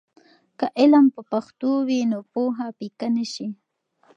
که علم په پښتو وي، نو پوهه پیکه نه شي.